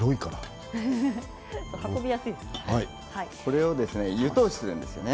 これを湯通しするんですね。